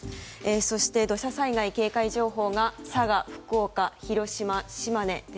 そして、土砂災害警戒情報が佐賀、福岡、広島、島根。